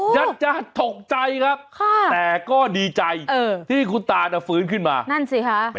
ยังจะตกใจครับแต่ก็ดีใจที่คุณตาน่ะฟื้นขึ้นมานั่นสิคะ